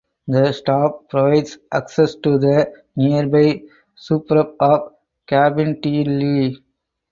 The stop provides access to the nearby suburb of Cabinteely.